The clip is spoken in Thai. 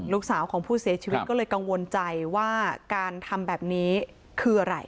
ลูกสาวของผู้เสียชีวิตก็เลยกังวลใจว่าการทำแบบนี้คืออะไร